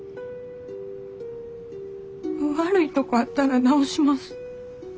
悪いとこあったら直します。